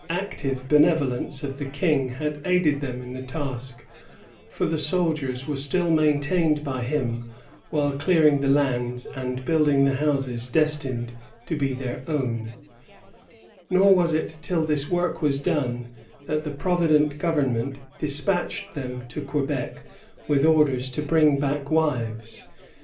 * 81 ever active benevolence of the King had aided them in the task, for the soldiers were still maintained by him while clearing the lands and building the houses destined to be their own ; nor was it till this work was done that the provident government despatched them to Quebec with orders to bring back wives.